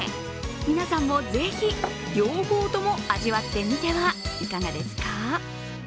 皆さんもぜひ両方とも味わってみてはいかがですか？